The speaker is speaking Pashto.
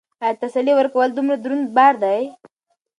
ایا تسلي ورکول دومره دروند بار دی؟